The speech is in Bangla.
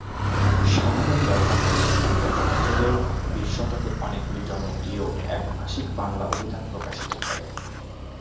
সাধারণ ব্যবহারকারীর সুবিধার কথা ভেবেও বিশ শতকে অনেকগুলি জনপ্রিয় একভাষিক বাংলা অভিধান প্রকাশিত হয়।